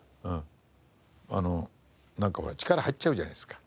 なんかほら力入っちゃうじゃないですか。